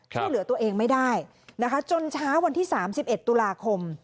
ช่วยเหลือตัวเองไม่ได้นะคะจนเช้าวันที่๓๑ตุลาคม